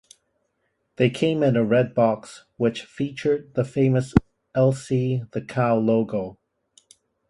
They came in a red box, which featured the famous Elsie the Cow logo.